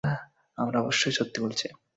আমরা অবশ্যই সত্য বলছি।